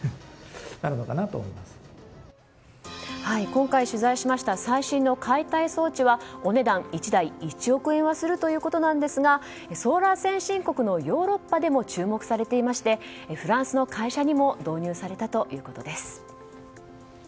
今回、取材しました最新の解体装置はお値段１台１億円はするということですがソーラー先進国のヨーロッパでも注目されていましてフランスの会社にも導入されたということです。